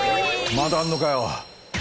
まだあんのかよ。